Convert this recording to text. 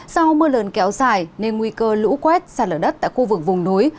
do mưa lớn kéo dài nên nguy cơ lũ quét sạt lở đất tại khu vực vùng núi